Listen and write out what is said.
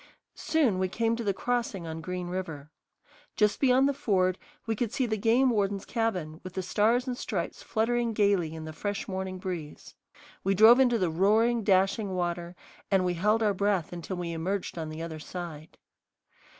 Soon we came to the crossing on Green River. Just beyond the ford we could see the game warden's cabin, with the stars and stripes fluttering gayly in the fresh morning breeze. We drove into the roaring, dashing water, and we held our breath until we emerged on the other side.